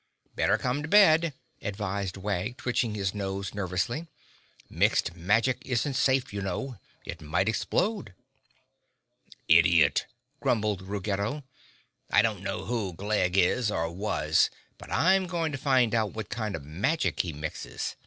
"Better come to bed," advised Wag, twitching his nose nervously. "Mixed Magic isn't safe, you know. It might explode." "Idiot!" grumbled Ruggedo. "I don't know who Glegg is or was, but I'm going to find out what kind of magic he mixes.